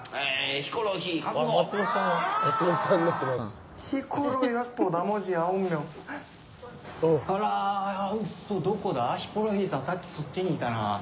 ヒコロヒーさん、さっきそっちにいたな。